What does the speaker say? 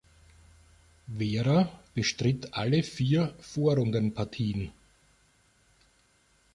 Vera bestritt alle vier Vorrundenpartien.